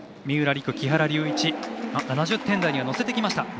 三浦璃来、木原龍一７０点台に乗せてきました。